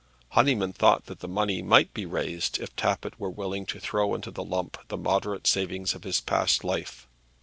Honyman thought that the money might be raised if Tappitt were willing to throw into the lump the moderate savings of his past life.